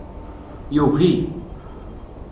Yugi.